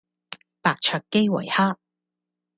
白灼基圍蝦